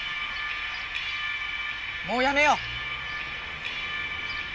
もうやめよう！